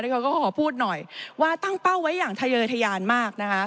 แต่เขาก็ขอพูดหน่อยว่าตั้งเป้าไว้อย่างเทยยเทยานมากนะครับ